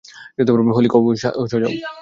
হলি cow, সো জাও!